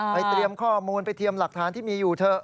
เตรียมข้อมูลไปเตรียมหลักฐานที่มีอยู่เถอะ